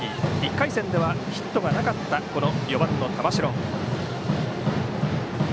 １回戦ではヒットがなかった４番の玉城。